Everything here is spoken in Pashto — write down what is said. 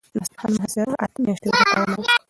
د اصفهان محاصره اته میاشتې روانه وه.